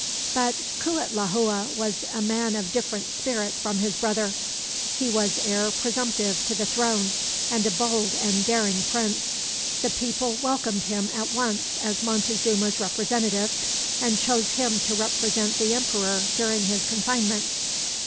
But Cuitlahua was a man of different spirit from his brother. He was heir presumptive to the throne, and a bold and daring prince. The people welcomed him, at once, as Montezuma's representative; and chose him to represent the emperor during his confinement.